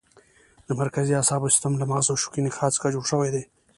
د مرکزي اعصابو سیستم له مغز او شوکي نخاع څخه جوړ شوی دی.